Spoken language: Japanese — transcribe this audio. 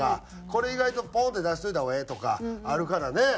これ意外とポーンって出しといた方がええとかあるからね。